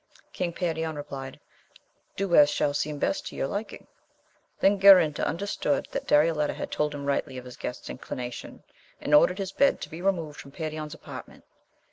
King Perion replied, do as shall seem best to your liking. Then Garinter understood that Darioleta had told him rightly of his guest's inclination, and ordered his bed to be removed from Perion's apart ment.